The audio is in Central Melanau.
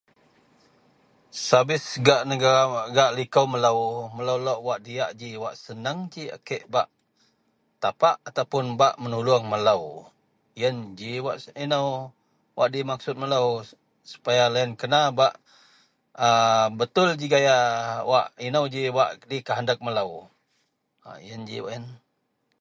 Sevis gak negaa liko melo melo lok wak diyak ji wak seneng ji a kek bak tapak atau bak menolong melo iyen ji wak eno dimaksud melo supaya loyen kena bak a betul ji gaya wak ino ji dikendak melo.